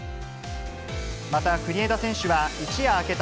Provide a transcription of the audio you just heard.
また国枝選手は、一夜明けた